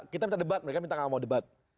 kita minta debat mereka minta gak mau debat